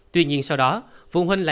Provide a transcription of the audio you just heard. tuy nhiên sau đó phụ huynh lại